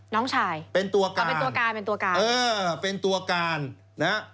น้องชายเป็นตัวการเป็นตัวการเป็นตัวการเออเป็นตัวการนะฮะ